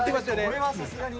これはさすがに。